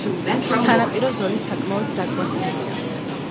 სანაპირო ზოლი საკმაოდ დაკლაკნილია.